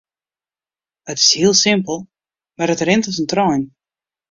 It is hiel simpel mar it rint as in trein.